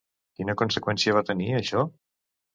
Quina conseqüència va tenir, això?